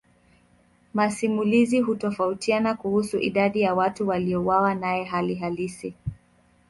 Masimulizi hutofautiana kuhusu idadi ya watu waliouawa naye hali halisi.